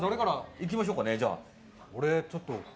いきましょうかね。